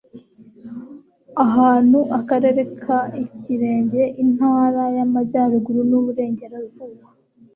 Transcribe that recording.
ahantu akarere ka ikelenge, intara y'amajyaruguru n'uburengerazuba